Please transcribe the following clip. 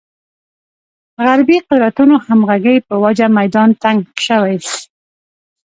غربې قدرتونو همغږۍ په وجه میدان تنګ شوی.